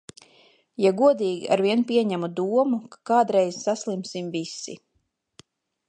Ja godīgi, arvien pieņemu domu, ka kādreiz saslimsim visi.